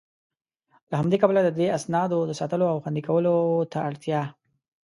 له همدي کبله د دې اسنادو د ساتلو او خوندي کولو ته اړتيا